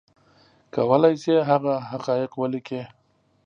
کولی شي هغه حقایق ولیکي